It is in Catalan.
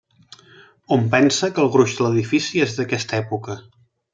Hom pensa que el gruix de l'edifici és d'aquesta època.